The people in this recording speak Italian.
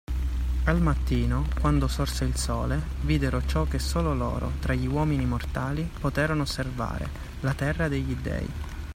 Al mattino, quando sorse il Sole, videro ciò che solo loro, tra gli uomini mortali, poterono osservare: la terra degli dèi.